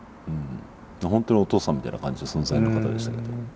本当にお父さんみたいな感じの存在の方でしたけど。